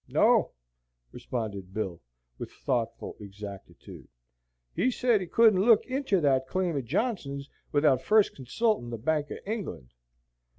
"No," responded Bill, with thoughtful exactitude. "He said he couldn't look inter that claim o' Johnson's without first consultin' the Bank o' England."